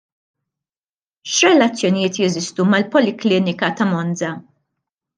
X'relazzjonjiet jeżistu mal-poliklinika ta' Monza?